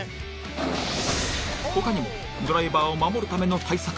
ほかにもドライバーを守るための対策